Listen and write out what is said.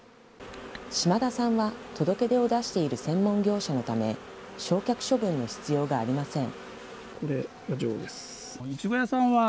島田さんは届け出を出している専門業者のため、焼却処分の必要がありません。